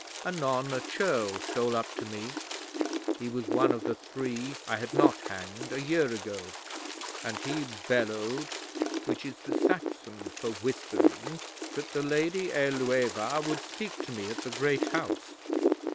Anon a churl stole up to me he was one of the three I had not hanged a year ago and he bellowed which is the Saxon for whispering that the Lady Ælueva would speak to me at the Great House.